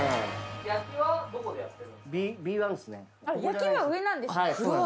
焼きは上なんですね。